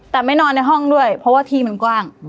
แต่ไม่นอนในห้องด้วยเพราะว่าที่มันกว้าง